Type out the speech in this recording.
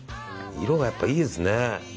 色がやっぱいいですね。